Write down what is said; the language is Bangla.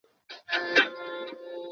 তিনি প্রথমা পত্নীকে অমর করেছেন।